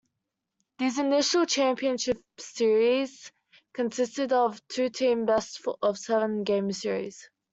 These initial championship series consisted of a two-team best-of-seven games series.